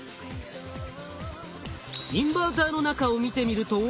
インバーターの中を見てみると。